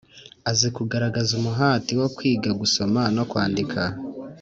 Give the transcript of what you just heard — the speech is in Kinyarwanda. azi kugaragaza umuhati wo kwiga gusoma no kwandika